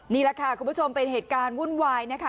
นี่แหละค่ะคุณผู้ชมเป็นเหตุการณ์วุ่นวายนะคะ